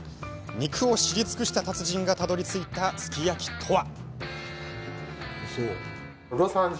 肉を知り尽くした達人がたどりついた、すき焼きとは？